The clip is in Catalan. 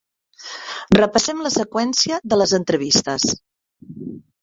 Repassem la seqüència de les entrevistes.